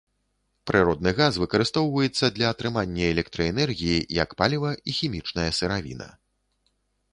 Прыродны газ выкарыстоўваецца для атрымання электраэнергіі, як паліва і хімічная сыравіна.